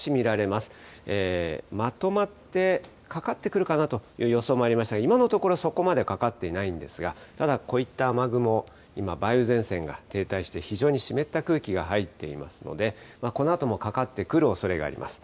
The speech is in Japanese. まとまってかかってくるかなという予想もありましたが、今のところ、そこまでかかっていないんですが、まだこういった雨雲、今、梅雨前線が非常に停滞して、非常に湿った空気が入っていますので、このあともかかってくるおそれがあります。